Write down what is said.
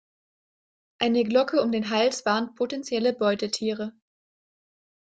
Eine Glocke um den Hals warnt potenzielle Beutetiere.